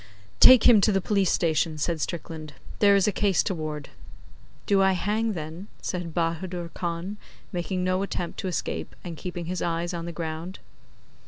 'Take him to the police station,' said Strickland. 'There is a case toward.' 'Do I hang, then?' said Bahadur Khan, making no attempt to escape, and keeping his eyes on the ground.